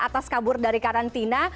atas kabur dari karantina